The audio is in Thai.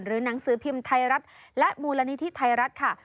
หนังสือพิมพ์ไทยรัฐและมูลนิธิไทยรัฐค่ะ